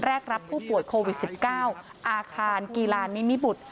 รับผู้ป่วยโควิด๑๙อาคารกีฬานิมิบุตร